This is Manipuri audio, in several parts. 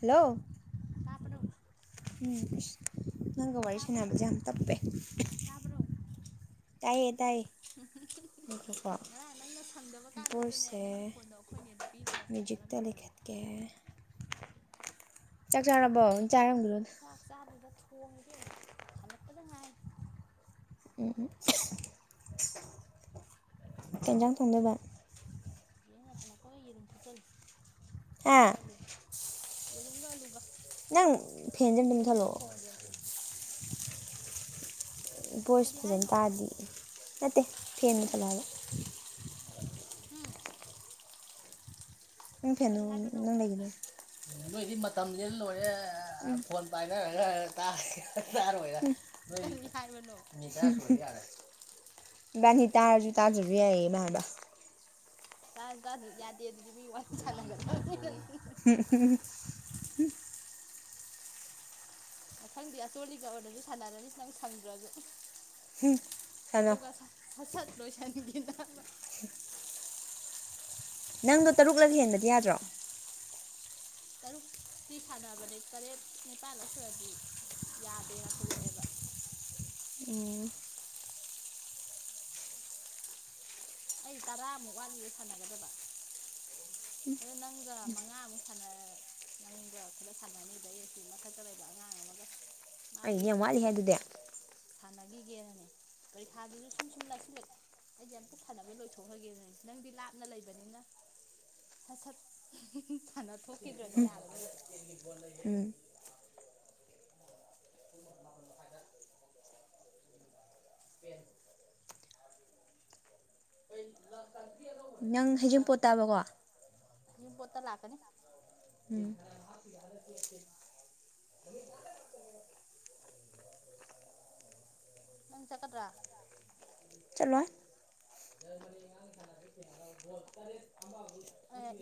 ꯍꯜꯂꯣ ꯈꯄꯔꯣ ꯎꯝ ꯅꯪꯒ ꯋꯥꯔꯤ ꯇꯥꯕ꯭ꯔꯣ ꯁꯥꯟꯅꯕꯁꯦ ꯌꯥꯝ ꯇꯞꯄꯦ ꯇꯥꯕ꯭ꯔꯣ ꯇꯥꯏꯌꯦ ꯇꯥꯏꯌꯦ ꯉꯥꯏꯈꯣꯀꯣ ꯉꯔꯥꯡ ꯅꯪꯅ ꯊꯝꯗꯕ ꯀꯥꯟꯗꯨꯗꯅꯦ ꯅꯪꯒꯤ ꯚꯣꯏꯁꯁꯦ ꯐꯣꯟꯗꯣ ꯑꯩꯈꯣꯏꯅꯦꯗ ꯄꯤꯔꯒ ꯃ꯭ꯌꯨꯖꯤꯛꯇ ꯁꯥꯟꯅꯔꯝꯒꯗꯕꯅꯤ ꯂꯩꯈꯠꯀꯦ ꯆꯥꯛ ꯆꯥꯔꯕꯣ ꯆꯔꯪꯒꯣꯟ ꯊꯣꯡꯉꯤꯗꯤ ꯊꯗꯛꯄꯗ ꯉꯥꯏ ꯎꯝ ꯎ ꯀꯦꯟꯖꯥꯡ ꯊꯣꯡꯗꯕ ꯍꯧꯖꯤꯛ ꯑꯩꯅ ꯍꯜꯂꯛꯄꯒ ꯌꯦꯔꯨꯝ ꯐꯨꯠꯆꯜꯂꯤ ꯍꯥ ꯀꯒ ꯑꯂꯨꯒ ꯑꯗꯨ ꯂꯩꯕ ꯅꯪ ꯐꯦꯟꯁꯦ ꯑꯇꯝ ꯊꯜꯂꯛꯑꯣ ꯊꯣꯡꯒꯦꯅ ꯚꯣꯏꯁ ꯀꯔꯤ ꯐꯖꯅ ꯍꯥꯏꯅꯣ ꯇꯥꯗꯤ ꯅꯠꯇꯦ ꯐ ꯃ ꯆꯂꯗ ꯎꯝ ꯎꯝ ꯐꯅꯣ ꯀꯔꯤ ꯍꯥꯏꯕꯅꯣ ꯅꯅꯨꯡ ꯂꯩꯒꯤꯗ ꯅꯣꯏꯗꯤ ꯃꯇꯝ ꯂ ꯂꯣꯏꯔꯦ ꯐꯣꯟ ꯄꯥꯏꯅꯔꯒ ꯇꯥꯁꯤ ꯇꯥꯔꯣꯏꯔꯦ ꯀꯔꯤ ꯍꯥꯏꯕꯅꯣ ꯃꯤ ꯌꯥꯅꯤ ꯇꯥꯖꯨ ꯇꯥꯖꯨꯕꯤ ꯌꯥꯏꯌꯦ ꯕ ꯇ ꯀ ꯑꯗꯨ ꯌꯥ ꯠꯇꯦ ꯑꯗꯨꯗꯤ ꯃꯤ ꯋꯥꯔꯤ ꯃꯥꯅꯤ ꯁꯥꯟꯅꯒꯗꯕꯅꯤ ꯍ ꯃꯊꯪꯗꯤ ꯑꯆꯣꯜꯂꯤꯒ ꯑꯣꯏꯔꯁꯨ ꯁꯥꯟꯅꯔꯅꯤꯁꯤ ꯅꯪ ꯁꯪꯗ꯭ꯔꯁꯨ ꯎꯝ ꯁꯥꯟꯅꯧ ꯑꯗꯨꯒ ꯁꯠ ꯄꯣꯁꯅꯤ ꯀ ꯅꯪꯗꯣ ꯇꯔꯨꯛꯂꯒ ꯍꯦꯟꯕꯗꯤ ꯌꯥꯗ꯭ꯔꯣ ꯇꯔꯨꯛꯇꯤ ꯁꯥꯟꯅꯕꯅꯦ ꯇꯔꯦꯠ ꯅꯤꯄꯥꯜ ꯁꯨꯔꯗꯤ ꯌꯥꯗꯦꯅ ꯊꯣꯛꯂꯛꯑꯦꯕ ꯑꯣ ꯑꯩ ꯇꯔꯥꯃꯨꯛ ꯋꯥꯠꯂꯤꯒ ꯁꯥꯟꯅꯒꯗꯕ ꯑꯗꯣ ꯅꯪꯒ ꯃꯉꯥꯃꯨꯛ ꯁꯅ ꯅꯪꯒ ꯈꯔ ꯁꯥꯟꯅꯅꯤꯕ ꯑꯩ ꯁꯤ ꯃꯊꯛꯇ ꯂꯩꯕ ꯑꯉꯥꯡ ꯑꯃꯒ ꯑꯩ ꯌꯥꯝ ꯃꯥꯒꯤꯒ ꯋꯥꯠꯂꯤ ꯍꯥꯏ ꯑꯗꯨꯗꯤ ꯁꯥꯟꯅꯈꯤꯒꯦꯅꯅꯦ ꯄꯔꯤꯈꯥꯗꯨꯁꯨ ꯁꯨꯝ ꯁꯨꯝ ꯂꯛꯁꯤꯜꯂꯛ ꯑꯩꯗꯤ ꯑꯝꯇ ꯍꯝꯇ ꯁꯅꯕ ꯂꯣꯏꯊꯣꯛꯍꯒꯦꯅꯅꯦ ꯅꯪꯗꯤ ꯂꯥꯞꯅ ꯂꯩꯕꯅꯤꯅ ꯁꯠ ꯁꯠ ꯁꯥꯅ ꯊꯣꯛꯈꯤꯗ꯭ꯔꯗꯤ ꯎꯝ ꯌꯥꯔꯔꯣꯏꯕ ꯎꯝ ꯅꯪ ꯍꯩꯖꯤꯡꯄꯣꯠ ꯇꯥꯕꯀꯣ ꯌ ꯄꯣꯠꯇ ꯂꯥꯛꯀꯅꯤ ꯎꯝ ꯅꯪ ꯆꯠꯀꯗ꯭ꯔꯥ ꯆꯂꯣ ꯍꯥꯏ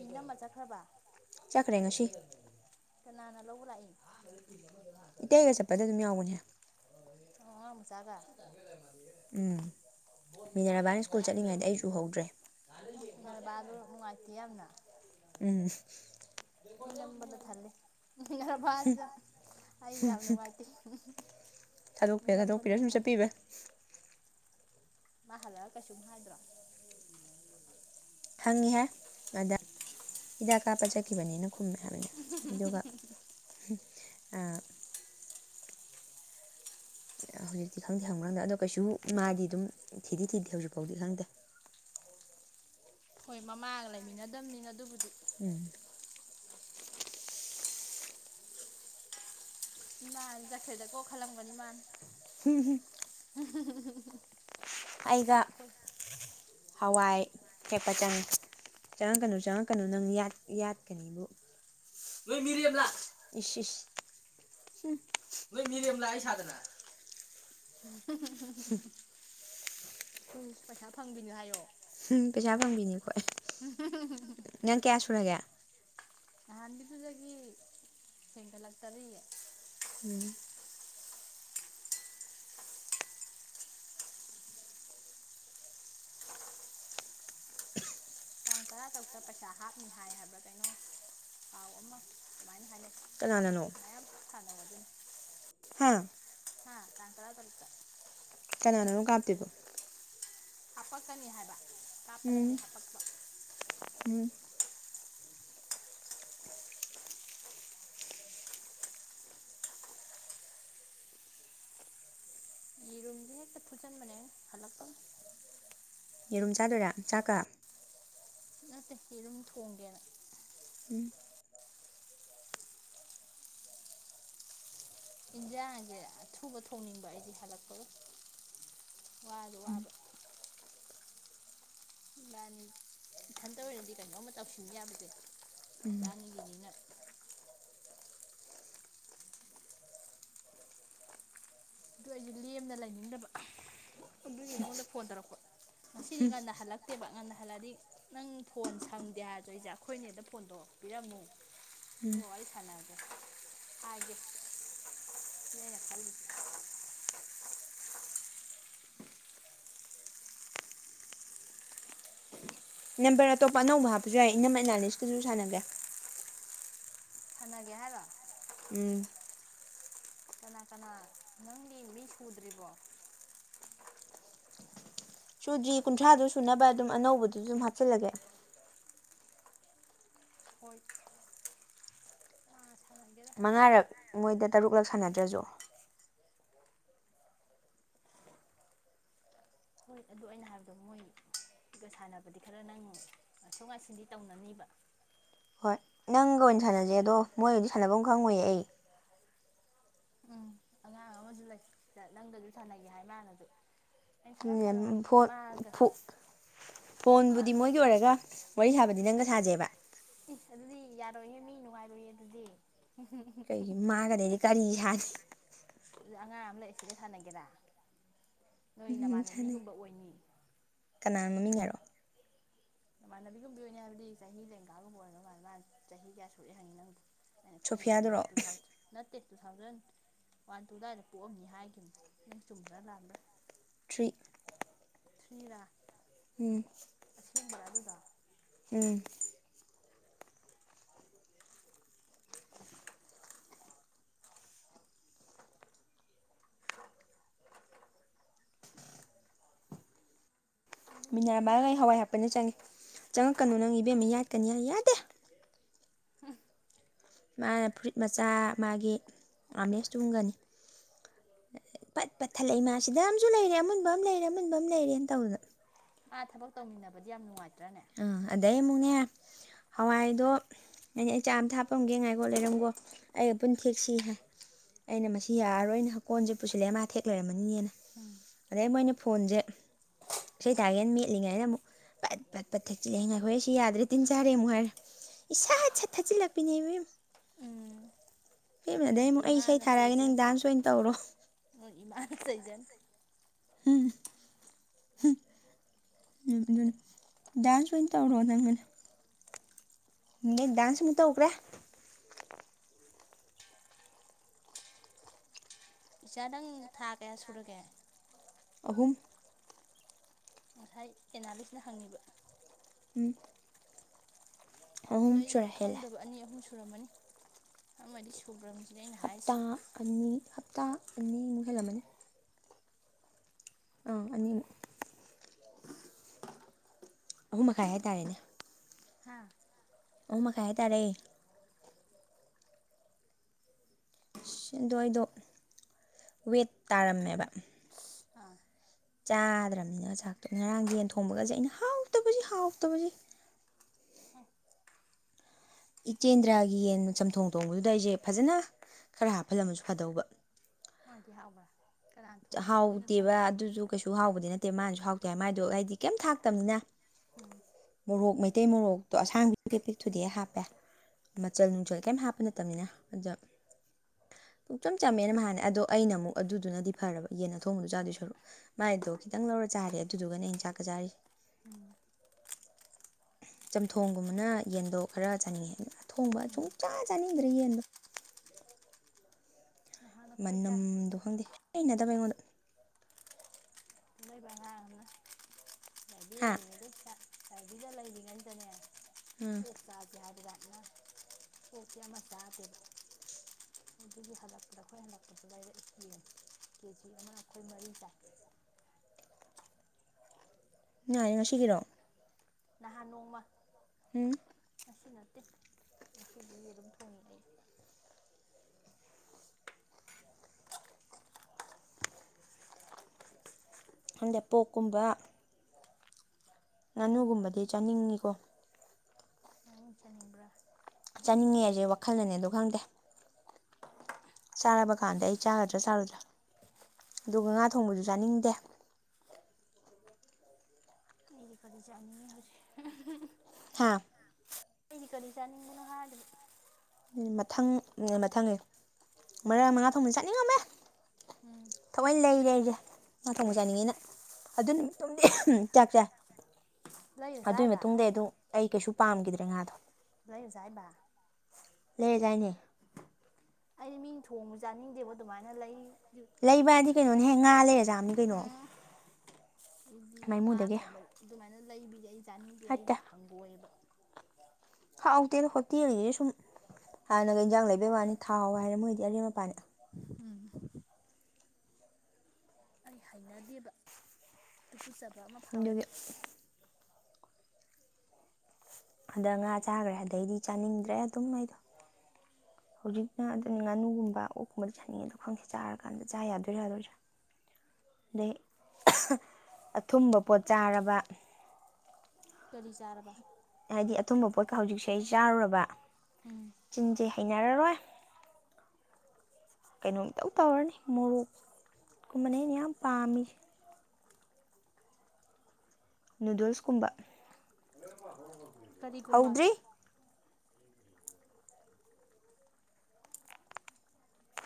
ꯏ ꯅꯝꯃ ꯆꯠꯈ꯭ꯔꯕ ꯆꯈꯔꯦ ꯉꯁꯤ ꯀꯅꯥꯅ ꯂꯧꯕ ꯂꯥꯛꯏ ꯏꯇꯩꯒ ꯆꯠꯄꯗ ꯑꯗꯨꯝ ꯌꯥꯎꯕꯅꯦ ꯑ ꯃ ꯆꯥꯗ ꯎꯝ ꯃꯤꯗꯔꯥꯕꯥꯏꯟ ꯁ꯭ꯀꯨꯜ ꯆꯠꯂꯤꯉꯩꯗ ꯑꯩꯁꯨ ꯍꯧꯗ꯭ꯔꯦ ꯑꯣꯕ ꯑꯗꯨ ꯅꯨꯡꯉꯥꯏꯇꯦ ꯌꯥꯝꯅ ꯎꯝ ꯃꯤ ꯅꯝꯕꯅ ꯊꯜꯂꯦ ꯃꯤꯅꯔꯐꯁꯤꯗ ꯑꯩ ꯌꯥꯝ ꯅꯨꯡꯉꯥꯏꯇꯦ ꯃꯤ ꯊꯥꯗꯣꯛꯄꯤꯔꯥ ꯅꯝꯕꯅ ꯊꯥꯗꯣꯛꯄꯤꯔꯥ ꯁꯨꯝ ꯊꯜꯂꯤ ꯆꯠꯄꯤꯕ ꯃꯥ ꯍꯜꯂꯛꯑ ꯀꯩꯁꯨꯨꯝ ꯍꯥꯏꯗ꯭ꯔꯣ ꯍꯪꯉꯤꯍꯦ ꯑꯗ ꯍꯤꯗꯥꯛ ꯀꯥꯞꯄ ꯆꯠꯈꯤꯕꯅꯤꯅ ꯈꯨꯝꯃꯦ ꯍꯥꯏꯕꯅꯦ ꯑꯗꯨꯒ ꯍꯨꯝ ꯑꯥ ꯍꯧꯖꯤꯛꯇꯤ ꯈꯪꯗꯦ ꯍꯪꯕ꯭ꯔꯥ ꯍꯪꯗ ꯑꯗꯣ ꯀꯩꯁꯨ ꯃꯥꯗꯤ ꯑꯗꯨꯝ ꯊꯤꯗꯤ ꯊꯤꯗꯦ ꯍꯧꯖꯤꯛ ꯐꯥꯎꯗꯤ ꯈꯪꯗꯦ ꯍꯣꯏ ꯃꯃꯥꯒ ꯂꯩꯃꯤꯟꯅꯗꯝꯅꯤꯅ ꯑꯗꯨꯕꯨꯗꯤ ꯎꯝ ꯏꯃꯥꯖꯦ ꯆꯠꯈ꯭ꯔꯦꯗꯀꯣ ꯈꯜꯂꯝꯒꯅꯤ ꯃꯥꯅ ꯍꯨꯝ ꯍꯨꯝ ꯎꯍꯨꯝ ꯍꯨꯝ ꯍꯨꯝ ꯍꯨꯝ ꯑꯩꯒ ꯍꯋꯥꯏ ꯍꯦꯛꯄ ꯆꯪꯉꯤ ꯆꯪꯉꯛꯀꯅꯨ ꯆꯪꯉꯛꯀꯅꯨ ꯅꯪ ꯌꯥꯠ ꯌꯥꯠꯀꯅꯤꯕꯨ ꯅꯣꯏ ꯃꯤꯔꯦꯝꯂꯥ ꯏꯁ ꯏꯁ ꯍꯨꯝ ꯅꯣꯏ ꯃꯤꯔꯦꯝꯂꯥ ꯑꯩ ꯁꯥꯗꯅ ꯍꯨꯝ ꯀꯣꯏꯁ ꯄꯩꯁꯥ ꯐꯪꯕꯤꯅꯦ ꯍꯥꯏꯌꯣ ꯍꯨꯝ ꯄꯩꯁꯥ ꯐꯪꯕꯤꯅꯤ- ꯑꯈꯣꯏ ꯎꯝ ꯍ ꯍ ꯍ ꯍ ꯍ ꯅꯪ ꯀꯌꯥ ꯁꯨꯔꯒꯦ ꯅꯍꯥꯟꯒꯤꯗꯨꯗꯒꯤ ꯍꯦꯟꯒꯠꯂꯛꯇꯔꯤꯌꯦ ꯎꯝ ꯇꯥꯡ ꯇꯔꯥ ꯇꯔꯨꯛꯇ ꯄꯩꯁꯥ ꯍꯥꯞꯅꯤ ꯍꯥꯏ ꯍꯥꯏꯕ꯭ꯔꯥ ꯀꯩꯅꯣ ꯄꯥꯎ ꯑꯃ ꯑꯗꯨꯃꯥꯏꯅ ꯍꯥꯏꯅꯩ ꯀꯅꯥꯅꯅꯣ ꯃꯌꯥꯝ ꯁꯥꯟꯅꯧ ꯑꯗꯨꯅꯤ ꯍꯥꯥ ꯍꯥ ꯇꯥꯡ ꯇꯔꯥ ꯇꯔꯨꯛ ꯇꯥ ꯀꯅꯥꯅꯅꯣ ꯀꯥꯞꯇꯣꯏꯕꯣ ꯍꯥꯞꯄꯛꯀꯅꯤ ꯍꯥꯏꯕ ꯀꯥꯞꯄ ꯅꯠꯇꯦ ꯎꯝ ꯍꯥꯞꯄꯛꯄ ꯎꯝ ꯌꯦꯔꯨꯝꯖꯦ ꯍꯦꯛꯇ ꯐꯨꯠꯆꯟꯕꯅꯦ ꯑꯩꯅ ꯍꯜꯂꯛꯄꯒ ꯌꯦꯔꯨꯝ ꯆꯥꯗꯣꯏꯔꯥ ꯆꯥꯛꯀ ꯅꯠꯇꯦ ꯌꯦꯔꯨꯝ ꯊꯣꯡꯒꯦꯅ ꯎꯝ ꯏꯟꯖꯥꯡꯖꯦ ꯑꯊꯨꯕ ꯊꯣꯡꯅꯤꯡꯕ ꯑꯩꯗꯤ ꯍꯜꯂꯛꯄꯒ ꯋꯥꯖꯨ ꯋꯥꯕ ꯏꯕꯥꯅꯤ ꯏꯊꯟꯇ ꯑꯣꯏꯔꯗꯤ ꯀꯩꯅꯣꯝꯃ ꯇꯧꯁꯤꯟ ꯌꯥꯕꯖꯦ ꯎꯝ ꯏꯕꯥꯅꯤꯒꯤꯅꯤꯅ ꯑꯗꯨ ꯑꯩꯖꯨ ꯂꯦꯝꯅ ꯂꯩꯅꯤꯡꯗꯕ ꯑꯗꯨꯒꯤ ꯅꯉꯣꯟꯗ ꯐꯣꯟ ꯇꯧꯔꯛꯄ ꯉꯁꯤꯗꯤ ꯉꯟꯅ ꯍꯜꯂꯛꯇꯦꯕ ꯉꯟꯅ- ꯍꯜꯂꯛꯑꯗꯤ ꯅꯪ ꯐꯣꯟ ꯁꯪꯗꯦ ꯍꯥꯏꯔꯖꯨ ꯑꯩꯖꯦ ꯑꯩꯈꯣꯏꯅꯦꯗ ꯐꯣꯟꯗꯣ ꯄꯤꯔꯝꯃꯨ- ꯎꯝ ꯊꯣꯛꯑ ꯋꯥꯔꯤ ꯁꯥꯟꯅꯒꯦ ꯍꯥꯏꯒꯦ ꯁꯤꯅꯤ ꯑꯩꯅ ꯈꯜꯂꯤꯖꯦ ꯂꯧꯁꯤꯟꯕ ꯉꯝꯗꯕ ꯂꯧꯁꯤꯟꯕ ꯉꯝꯗꯕ ꯅꯝꯕꯔ ꯑꯇꯣꯞꯄ ꯑꯅꯧꯕ ꯍꯥꯞꯄꯖꯨ ꯌꯥꯏ ꯏꯅꯝꯃ ꯑꯦꯅꯥꯂꯤꯁꯀꯖꯨ ꯁꯥꯟꯅꯒꯦ ꯁꯥꯟꯅꯒꯦ ꯍꯥꯏꯔꯣ ꯎꯝ ꯀꯅꯥ ꯀꯅꯥ ꯅꯪꯒꯤ ꯃꯤ ꯁꯨꯗ꯭ꯔꯤꯕꯣ ꯁꯨꯗ꯭ꯔꯤ ꯀꯨꯟꯊ꯭ꯔꯥꯗꯣ ꯁꯨꯅꯕ ꯑꯗꯨꯝ ꯑꯅꯧꯕꯗꯨꯖꯨ ꯑꯗꯨꯝ ꯍꯥꯞꯆꯜꯂꯒꯦ ꯍꯣꯏ ꯃꯥ ꯁꯥꯟꯅꯒꯦꯔꯥ ꯃꯉꯥꯔꯛ ꯃꯣꯏꯗ ꯇꯔꯨꯛꯂꯛ ꯁꯥꯟꯅꯗ꯭ꯔꯖꯨ ꯍꯣꯏ ꯑꯗꯨ ꯑꯩꯅ ꯍꯥꯏꯕꯗꯣ ꯃꯣꯏ ꯁꯤꯒ ꯁꯥꯟꯅꯕꯗꯤ ꯈꯔ ꯅꯪ ꯉꯥꯏꯊꯣꯛ ꯉꯥꯏꯁꯤꯟꯗꯤ ꯇꯧꯅꯅꯤꯕ ꯍꯣꯏ ꯅꯪꯒ ꯑꯣꯏꯅ ꯁꯥꯟꯅꯖꯦ ꯑꯗꯣ ꯃꯣꯏꯑꯣꯏꯗꯤ ꯁꯥꯟꯅꯕꯝ ꯈꯪꯉꯣꯏꯌꯦ ꯑꯩ ꯁꯤꯖꯨ ꯂꯩ ꯁꯤꯗ ꯅꯪꯒꯖꯨ ꯁꯥꯟꯅꯒꯦ ꯍꯥꯏ ꯃꯥꯥꯟꯅꯖꯨ ꯑꯗꯨꯅꯦ ꯎꯝ ꯐꯣꯟ ꯐꯣ ꯐꯣꯟꯕꯨꯗꯤ ꯃꯣꯏꯒꯤ ꯑꯣꯏꯔꯒ ꯋꯥꯔꯤ ꯁꯥꯕꯗꯤ ꯅꯪꯒ ꯁꯥꯖꯦꯕ ꯏꯁ ꯑꯗꯨꯗꯤ ꯌꯥꯔꯣꯏꯍꯦ ꯃꯤ ꯅꯨꯡꯉꯥꯏꯔꯣꯏꯌꯦ ꯑꯗꯨꯗꯤ ꯀꯩꯒꯤ ꯃꯥꯒꯗꯤ ꯑꯩꯗꯤ ꯀꯔꯤ ꯁꯥꯅꯤ ꯑꯗꯨꯗꯤ ꯑꯉꯥꯡ ꯑꯃ ꯂꯩ ꯑꯁꯤꯒ ꯁꯥꯟꯅꯒꯦꯔꯥ ꯅꯣꯏ ꯎꯝ ꯁꯥꯟꯅꯩ ꯅꯃꯥꯟꯅꯕꯤꯒꯨꯝꯕ ꯑꯣꯏꯅꯤ ꯀꯅꯥ ꯃꯃꯤꯡ ꯍꯥꯏꯔꯛꯑꯣ ꯅꯃꯥꯟꯅꯕꯤꯒꯨꯝꯕꯤ ꯑꯣꯏꯅꯤ ꯍꯥꯏꯕꯗꯤ ꯆꯍꯤ ꯂꯦꯡꯒꯥꯒꯨꯝꯕ ꯑꯣꯏꯔꯝꯗꯧ ꯃꯥꯜꯂꯦ ꯃꯥ ꯆꯍꯤ ꯀꯌꯥ ꯁꯨꯔꯦ ꯍꯪꯉꯤ ꯅꯪꯗꯤ ꯑꯩꯅ ꯈꯪꯗꯗꯅ ꯁꯣꯐꯤꯌꯥꯗꯨꯔꯣ ꯇꯨ ꯊꯥꯎ ꯖ ꯅꯠꯇꯦ ꯇꯨ ꯊꯥꯎꯖꯟ ꯋꯥꯟ ꯇꯨ ꯑꯗꯥꯏꯗ ꯄꯣꯛꯑꯝꯅꯤ ꯍꯥꯏꯒꯤꯝꯅꯤ ꯅꯪ ꯆꯨꯝꯕ꯭ꯔꯥ ꯂꯥꯟꯕ꯭ꯔꯥ ꯊ꯭ꯔꯤ ꯊ꯭ꯔꯤꯔꯥ ꯎꯝ ꯏꯪꯕꯔꯥ ꯑꯗꯨꯗꯣ ꯎꯝ ꯂꯧꯁꯤꯟꯕ ꯉꯝꯗꯕ ꯑꯂꯨꯁꯦ ꯃꯤꯅꯔꯕꯥꯒ ꯑꯩ ꯐꯨꯠꯂꯒ ꯍꯋꯥꯏ ꯍꯥꯄꯅ ꯆꯪꯉꯦ ꯆꯪꯉꯛꯀꯅꯨ ꯅꯪ ꯏꯕꯦꯝꯃ ꯌꯥꯠ- ꯀꯅꯤ ꯍꯥꯏ ꯌꯥꯗꯦ ꯃꯥꯅ ꯐꯨꯔꯤꯠ ꯃꯆꯥ ꯃꯥꯒꯤ ꯑꯥꯝꯂꯦꯁ ꯇꯨꯝꯒꯅꯤ ꯄꯠ ꯄꯠ ꯊꯠꯂꯛꯏ ꯃꯥ ꯁꯤꯗ ꯑꯃꯁꯨ ꯂꯩꯔꯦ ꯑꯃꯨꯟꯕ ꯑꯃ ꯂꯩꯔꯦ ꯑꯃꯨꯟꯕ ꯑꯃ ꯂꯩꯔꯦꯅ ꯇꯧꯗꯅ ꯑꯥ ꯊꯕꯛ ꯇꯧꯃꯤꯟꯅꯕꯗꯤ ꯌꯥꯝ ꯅꯨꯡꯉꯥꯏ- ꯑꯥ ꯑꯗ ꯑꯗꯩ ꯑꯃꯨꯛꯅꯦ ꯍꯋꯥꯏꯗꯣ ꯑꯩꯅ ꯑꯩ ꯆꯥ ꯑꯝ ꯇ ꯍꯥꯞꯄꯝꯒꯦ ꯉꯥꯏꯈꯣ ꯂꯩꯔꯝꯒꯣ ꯑꯩꯒ ꯄꯨꯟ ꯊꯦꯛ ꯁꯤ ꯍꯥꯏ ꯑꯩꯅ ꯃꯁꯤ ꯌꯥꯔꯔꯣꯏꯅ ꯍꯀꯣꯟꯖꯦ ꯄꯨꯁꯤꯜꯂꯦ ꯃꯥ ꯊꯦꯛ ꯂꯩꯔꯝꯃꯅꯤꯌꯦꯅ ꯎꯝ ꯑꯗꯩ ꯃꯣꯏꯅꯤ ꯐꯣꯟꯖꯦ ꯏꯁꯩ ꯇꯥꯒꯦꯅ ꯃꯦꯠꯂꯤꯉꯩꯗ ꯑꯃꯨꯛ ꯄꯠ- ꯄꯠ ꯄꯠ ꯊꯛꯆꯤꯜꯂꯛꯏ ꯉꯥꯏꯈꯣꯍꯦ ꯁꯤ ꯌꯥꯗ꯭ꯔꯦ ꯇꯤꯟ ꯆꯥꯔꯦ ꯑꯃꯨꯛ ꯍꯥꯏꯔꯦ ꯏꯁ ꯁꯠ ꯁꯠ ꯊꯛꯆꯤꯜꯂꯛꯄꯤꯅꯦ ꯏꯕꯦꯝ ꯎꯝ ꯊꯦꯛꯑꯝꯃꯦ ꯑꯗꯩ ꯅꯣꯏ ꯑꯃꯨꯛ ꯑꯩ ꯏꯁꯩ ꯏꯃꯥꯅ ꯊꯥꯔꯛꯑꯒꯦ ꯅꯪ ꯆꯩꯖꯅꯤ ꯗꯥꯟꯁ ꯑꯣꯏꯅ ꯇꯧꯔꯣ ꯅꯣꯏ ꯏꯃꯥꯅ ꯆꯩꯖꯅꯤ ꯎꯝꯍ ꯎꯝ ꯎꯝ ꯑꯗꯨꯅ ꯗꯥꯟꯁ ꯑꯣꯏꯅ ꯇꯧꯔꯣ ꯅꯪ ꯑꯅ ꯑꯗꯨꯗꯩ ꯗꯥꯥꯟꯁ ꯑꯃꯨꯛ ꯇꯧꯒ꯭ꯔꯦ ꯏꯆꯥꯅꯪ ꯊꯥ ꯀꯌꯥ ꯁꯨꯔꯒꯦ ꯑꯍꯨꯝ ꯉꯁꯥꯏ ꯑꯦꯅꯥꯂꯤꯁꯅ ꯍꯪꯉꯤꯕ ꯎꯝ ꯑꯍꯨꯝ ꯑꯗꯩ ꯁꯨꯔꯦ ꯍꯦꯜꯂꯦ ꯈꯪꯗꯕ ꯑꯅꯤ ꯑꯍꯨꯝ ꯁꯣꯔꯥ ꯃꯅꯤ ꯑ ꯃꯗꯤ ꯁꯧꯒ꯭ꯔꯝ ꯍꯞꯇꯥ ꯑꯅꯤ ꯍꯞꯇꯥ ꯑꯅꯤꯃꯨꯛ ꯍꯦꯜꯂꯝꯃꯅꯤ ꯑꯥ ꯑꯅꯤ ꯑꯍꯨꯝ ꯃꯈꯥꯏ ꯍꯥꯏꯇꯥꯔꯦꯅꯦ ꯍꯥ ꯑꯣ ꯃꯈꯥꯏ ꯍꯥꯏꯇꯥꯥꯔꯦ ꯑꯗꯨꯗꯋꯥꯗꯣ ꯋꯦꯠ ꯇꯥꯔꯝꯃꯦꯕ ꯑꯥ ꯆꯥꯗ꯭ꯔꯕꯅꯤꯅ ꯆꯥꯛꯇꯣ ꯉꯔꯥꯡ ꯌꯦꯟ ꯊꯣꯡꯕꯒꯁꯦ ꯑꯩꯅ ꯍꯥꯎꯇꯕꯕꯁꯤ ꯍꯥꯎꯇꯕꯕꯁꯤ ꯍ ꯏꯆꯦꯟꯗ꯭ꯔꯥꯒꯤ ꯌꯦꯟ ꯆꯝꯊꯣꯡ ꯊꯣꯡꯕꯗꯨꯗ ꯑꯩꯁꯦ ꯐꯖꯅ ꯈꯔ ꯍꯥꯞꯐꯜꯂꯝꯃꯁꯨ ꯐꯗꯧꯕ ꯃꯥꯒꯤ ꯍꯥꯕ꯭ꯔ ꯍꯥꯎꯗꯦꯕ ꯑꯗꯨꯁꯨ ꯀꯩꯁꯨ ꯍꯥꯎꯕꯗꯤ ꯅꯠꯇꯦ ꯅꯠꯇꯦ ꯃꯥꯅꯁꯨ ꯍꯥꯎꯇꯦ ꯍꯥꯏ ꯃꯥꯏꯗꯣ ꯑꯩꯗꯤ ꯀꯩꯝ ꯊꯥꯛꯇꯕꯅꯤꯅ ꯎꯝ ꯃꯣꯔꯣꯛ ꯃꯩꯇꯩ ꯃꯣꯔꯣꯛꯇꯣ ꯑꯁꯥꯡꯗꯤ ꯄꯦꯄ ꯊꯨꯗꯤ ꯍꯥꯞꯄꯦ ꯃꯆꯜ ꯅꯨꯡꯆꯜ ꯀꯩꯝ ꯍꯥꯞꯄ ꯅꯠꯇꯕꯅꯤꯅ ꯑꯗꯆꯝ ꯆꯝꯃꯦꯅ ꯃꯥꯥꯟꯅꯦ ꯑꯗꯣ ꯑꯩꯅ ꯑꯃꯨꯛ ꯑꯗꯨꯗꯨꯅꯗꯤ ꯐꯔꯕ ꯌꯦꯟ ꯑꯊꯣꯡꯕꯗꯨ ꯆꯥꯗꯣꯏ ꯁꯔꯨꯛ ꯃꯥꯏꯗꯣ ꯈꯤꯇꯪ ꯂꯧꯔ ꯆꯥꯔꯦ ꯑꯗꯨꯗꯨꯒꯅ ꯑꯩꯅ ꯆꯥꯛꯀ ꯆꯥꯔꯤꯁꯦ ꯎꯝ ꯆꯝꯊꯣꯡꯒꯨꯝꯕꯅ ꯌꯦꯟꯗꯣ ꯈꯔ ꯆꯥꯅꯤꯡꯉꯦ ꯑꯊꯣꯡꯕ ꯎꯝ ꯁꯨꯡꯆꯥꯥ ꯆꯥꯅꯤꯡꯗ꯭ꯔꯦ ꯌꯦꯟꯗꯣ ꯅꯍꯥꯟ ꯑꯩꯈꯣꯏ ꯆꯥꯏ ꯃꯅꯝꯗ ꯍꯣꯟꯗꯤ ꯩꯅ ꯇꯕꯩꯉꯣꯣꯟ ꯂꯩꯕꯥꯅ ꯍꯥ ꯆꯥꯏꯗꯤꯗ ꯂꯩ ꯀꯅꯤ ꯆꯅꯦ ꯎꯝ ꯑꯣꯁꯦ ꯍꯥꯏ꯭ꯔ ꯑꯗꯨꯅ ꯄꯣꯤ ꯑꯃ ꯆꯥꯗꯦꯕ ꯑꯗꯨꯒꯤ ꯍꯟꯗꯛꯄꯗ ꯑꯩꯈꯣꯏ ꯍꯟꯗꯛꯄꯗ ꯂꯩꯔꯦ ꯏꯦꯝ ꯀꯦꯖꯤ ꯑꯃ ꯑꯩꯈꯣꯏ ꯃꯔꯤ ꯆꯥꯏ ꯌꯥꯏꯌꯦ ꯉꯁꯤꯒꯤꯔꯣ ꯅꯍꯥꯟ ꯅꯣꯡꯃ ꯎꯝ ꯑꯁꯤ ꯅꯠꯇꯦ ꯉꯁꯤꯗꯤ ꯑꯗꯨꯝ ꯊꯣꯡꯉ ꯑꯩ ꯍꯟꯗꯦꯄꯣꯛꯀꯨꯝꯕ ꯑꯗꯨꯒꯨꯝꯕ ꯉꯥꯅꯨꯒꯨꯝꯕꯗꯤ ꯆꯥꯅꯤꯡꯉꯤꯀꯣ ꯑ ꯆꯅꯤꯡꯕ꯭ꯔꯥ ꯆꯥꯅꯤꯡꯉꯦ ꯍꯥꯏꯁꯦ ꯋꯥꯈꯜꯅꯅꯦ ꯑꯣ ꯈꯪꯗꯦ ꯆꯥꯔꯕ ꯀꯥꯟꯗ ꯑꯩ ꯆꯥꯒꯗ꯭ꯔꯥ ꯆꯥꯔꯗ꯭ꯔꯥ ꯑꯗꯨꯒ ꯉꯥ ꯊꯣꯡꯕꯁꯨ ꯆꯥꯅꯤꯡꯗꯦ ꯑꯩꯗꯤ ꯀꯔꯤ ꯆꯥꯅꯤꯡ ꯍꯧꯖꯤꯛ ꯍꯥꯥ ꯀꯗꯤ ꯀꯔꯤ ꯆꯥꯅꯤꯡꯕꯅꯣ ꯍꯥꯏꯔꯕꯗꯤ ꯃꯊꯪ ꯃꯊꯪꯅꯦ ꯃꯔꯛ ꯃꯉꯥ ꯊꯣꯛꯕ ꯆꯠꯅꯤꯡꯉꯝꯃꯦ ꯎꯝ ꯊꯑꯣꯏ ꯂꯩꯔꯦꯁꯦ ꯅꯥꯛ ꯊꯣꯡꯕ ꯆꯥꯅꯤꯡꯉꯤꯅ ꯑꯗꯨ ꯅꯨꯃꯤꯠꯇꯣꯗꯤ ꯆꯥꯛꯁꯦ ꯂꯩꯔ ꯑꯗꯨꯒꯤ ꯆꯥꯏꯕ ꯃꯇꯨꯡꯗ ꯑꯗꯨꯝ ꯑꯩ ꯀꯩꯁꯨ ꯄꯥꯝꯈꯤꯗ꯭ꯔꯦ ꯉꯥꯗꯣ ꯂꯩꯣꯏꯖꯥꯏꯕ ꯂꯩꯖꯅꯦ ꯑꯩ ꯃꯤꯡ ꯊꯣꯡꯕ ꯆꯥꯅꯤꯡꯗꯦꯕ ꯑꯗꯨꯃꯥꯏꯅ ꯂꯩ ꯂꯩꯕꯗꯤ ꯀꯩꯅꯣꯅꯦꯍꯦ ꯉꯥ ꯂꯩꯔꯖꯥꯝꯅꯤ ꯀꯩꯅꯣ ꯑꯩꯗꯤ ꯉꯥ ꯃꯥꯏꯃꯨꯗꯒꯤ ꯊꯣꯡꯕ ꯑꯗꯨꯃꯥꯏꯅ ꯂꯩꯕꯤꯒꯤ ꯑꯩ ꯆꯥꯅꯤꯡꯗꯦ ꯑꯩ ꯍꯪꯒꯣꯏꯑꯕ ꯍꯥꯎꯥꯎꯇꯦꯅ ꯍꯣꯇꯦꯜꯒꯤꯁꯤꯗꯤ ꯁꯨꯝ ꯍꯥꯟꯅꯒ ꯏꯟꯖꯥꯡ ꯂꯩꯕꯩ ꯋꯥꯅꯤ ꯊꯥꯎ ꯍꯥꯏꯔꯦ ꯃꯣꯏꯗꯤ ꯑꯔꯦꯝ ꯃꯄꯥꯅꯤ ꯑꯩ ꯍꯥꯏꯅꯗꯦꯕ ꯎꯨꯠꯆꯕ ꯑꯃ ꯑꯗꯨꯒꯤ ꯐꯥꯎꯋꯦꯕ ꯑꯗ ꯉꯥ ꯆꯥꯈ꯭ꯔꯦ ꯑꯗꯩꯗꯤ ꯆꯥꯅꯤꯡꯗ꯭ꯔꯦ ꯑꯗꯨꯝ ꯑꯩꯗꯣ ꯍꯧꯖꯤꯛꯅ ꯑꯗꯨꯅ ꯉꯥꯅꯨꯒꯨꯝꯕ ꯑꯣꯛꯀꯨꯝꯕꯗ ꯆꯥꯅꯤꯡꯉꯦꯗꯣ ꯈꯪꯁꯦ ꯆꯥꯔꯀꯥꯟꯗ ꯆꯥ ꯌꯥꯗꯣꯏꯔꯥ ꯌꯥꯗꯣꯏꯔꯥ ꯑꯗꯩ ꯑꯊꯨꯝꯕ ꯄꯣꯠ ꯆꯥꯔꯕ ꯀꯔꯤ ꯆꯔꯔꯕ ꯍꯥꯏꯗꯤ ꯑꯇꯨꯝꯕ ꯄꯣꯠꯀ ꯍꯧꯖꯤꯛꯁꯦ ꯑꯩ ꯆꯥꯔꯨꯔꯕ ꯎꯝ ꯆꯤꯡꯖꯦ ꯍꯩꯅꯔꯔꯣꯏ ꯀꯩꯅꯣꯝꯇꯧ ꯇꯧꯔꯅꯤ ꯃꯣꯔꯣꯛꯀꯨꯝꯕꯅꯦ ꯑꯩꯅ ꯌꯥꯝ ꯄꯥꯝꯃꯤ ꯅꯨꯗꯜꯁꯀꯨꯝꯕ ꯀꯔꯤꯒꯨꯝꯕ ꯍꯧꯗ꯭ꯔꯤ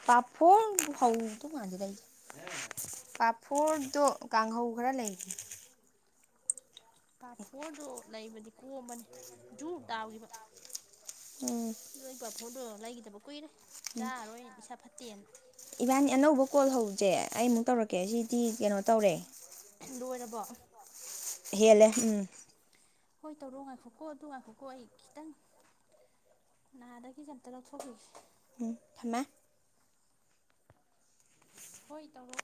ꯄꯥꯐꯣꯔ ꯍꯧꯗꯣ ꯃꯥꯟꯗꯤ ꯂꯩꯦ ꯄꯥꯐꯣꯔꯗꯣ ꯀꯥꯡꯍꯧ ꯈꯔ ꯂꯩꯒꯦ ꯄꯥ ꯐꯣꯔꯗꯨ ꯂꯩꯕꯗꯤ ꯀꯣꯝꯕꯅꯤ ꯖꯨ ꯇꯥꯈꯤꯕ ꯎꯝ ꯑꯗꯨ ꯄ ꯐꯣꯔ ꯎ ꯂ ꯂꯩꯒꯗꯕ ꯀꯨꯏꯔꯦ ꯆꯥꯔꯔꯣꯏ ꯏꯁꯥ ꯐꯠꯇꯦ ꯏꯕꯥꯅꯤ ꯑꯅꯧꯕ ꯀꯣꯜ ꯍꯧꯁꯦ ꯑꯩꯃꯨꯛ ꯇꯧꯔꯛꯀꯦ ꯁꯤꯗꯤ ꯀꯩꯅꯣ ꯇꯧꯔꯦ ꯂꯣꯏꯔꯕ ꯍꯦꯂꯦ ꯎꯝ ꯍꯣꯏ ꯇꯧꯔꯣ ꯉꯥꯏꯈꯣꯛꯀꯣ ꯑꯗꯨ ꯉꯥꯏꯈꯣꯀꯣ ꯑꯩ ꯈꯤꯇꯪ ꯅꯥꯗꯒꯤ ꯀꯝꯇ ꯂꯧꯊꯣꯛꯈꯤꯒꯦ ꯊꯃꯃꯦ ꯍꯣꯏ ꯇꯧꯔꯣ